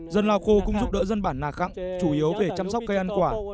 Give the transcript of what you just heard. dân lào khu cũng giúp đỡ dân bản nà khăng chủ yếu về chăm sóc cây ăn quả